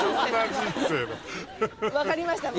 分かりました。